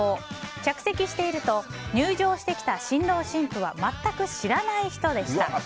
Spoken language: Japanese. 着席していると入場してきた新郎新婦は全く知らない人でした。